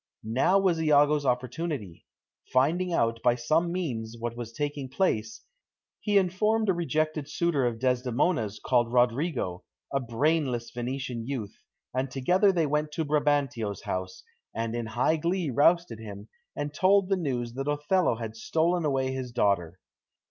Now was Iago's opportunity. Finding out by some means what was taking place, he informed a rejected suitor of Desdemona's called Roderigo, a brainless Venetian youth, and together they went to Brabantio's house, and in high glee roused him, and told the news that Othello had stolen away his daughter.